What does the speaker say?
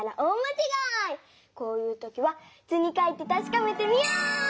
こういうときは図に書いてたしかめてみよう！